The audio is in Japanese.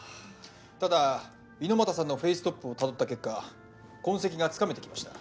ただ猪俣さんのフェイストップをたどった結果痕跡がつかめてきました。